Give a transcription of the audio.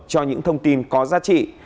cho những thông tin có giá trị